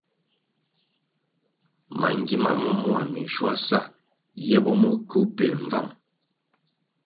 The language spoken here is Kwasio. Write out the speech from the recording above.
Mangima ma mua minschuasa ye bo mo kywu pil mbvang.